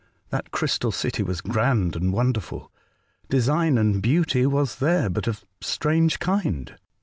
That crystal city was grand and wonderful ; design and beauty was there, but of strange kind.